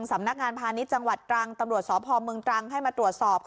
สำนักงานพาณิชย์จังหวัดตำรวจส๒๕๐๐มให้มาตรวจสอบ